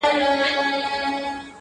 غل شړه، نو نه تر خپله کوره.